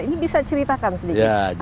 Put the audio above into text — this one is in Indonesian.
ini bisa ceritakan sedikit